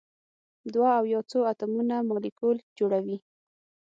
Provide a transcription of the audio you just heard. دوه او یا څو اتومونه مالیکول جوړوي.